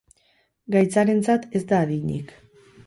Gaitzarentzat ez da adinik.